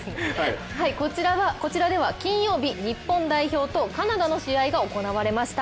こちらでは金曜日、日本代表とカナダの試合が行われました。